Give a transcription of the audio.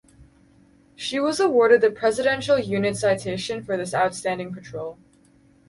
She was awarded the Presidential Unit Citation for this outstanding patrol.